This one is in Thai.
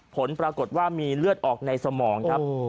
ผลปรากฏว่ามีเลือดออกในสมองครับ